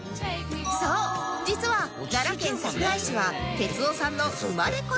そう実は奈良県桜井市は哲夫さんの生まれ故郷